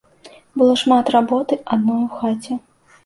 Было шмат работы адной у хаце.